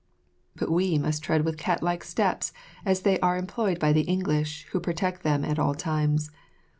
But we must tread with cat like steps, as they are employed by the English, who protect them at all times.